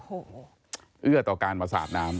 เยื่อต่อการมาสาดน้ำ